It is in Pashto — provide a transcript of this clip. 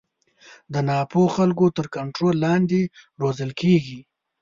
د نا پوه خلکو تر کنټرول لاندې روزل کېږي.